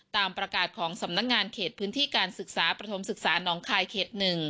ตามประกาศของสำนักงานเขตพื้นที่การศึกษาประถมศึกษาน้องคายเขต๑